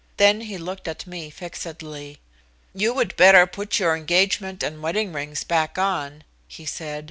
Then he looked at me fixedly. "You would better put your engagement and wedding rings back on," he said.